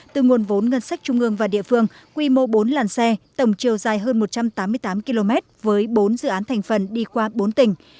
từ nguồn vốn ngân sách trung ương và địa phương quy mô bốn làn xe tổng chiều dài hơn một trăm tám mươi tám km với bốn dự án thành phần đi qua bốn tỉnh